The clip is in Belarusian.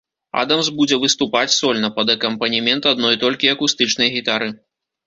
Адамс будзе выступаць сольна, пад акампанемент адной толькі акустычнай гітары.